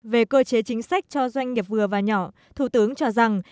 về cơ chế chính sách cho doanh nghiệp vừa và nhỏ thủ tướng cho rằng